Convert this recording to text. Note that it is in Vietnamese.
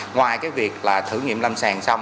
ngoài cái việc là thử nghiệm lâm sàn